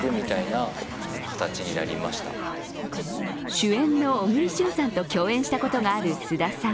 主演の小栗旬さんと共演したことがある菅田さん。